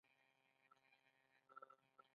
تر لمانځه او دعا وروسته بسونو حرکت وکړ.